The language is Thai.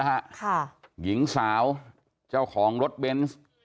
หญิงสาวช่วยเจ้าของรถเบนส์